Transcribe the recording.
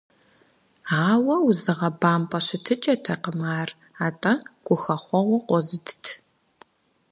Ауэ узыгъэбампӏэ щытыкӏэтэкъым ар, атӏэ гухэхъуэгъуэ къозытт.